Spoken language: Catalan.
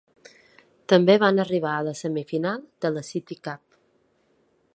També van arribar a la semifinal de la City Cup.